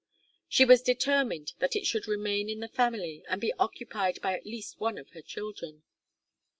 She was determined that it should remain in the family and be occupied by at least one of her children.